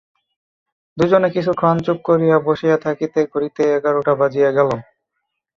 দুইজনে কিছুক্ষণ চুপ করিয়া বসিয়া থাকিতে ঘড়িতে এগারোটা বাজিয়া গেল।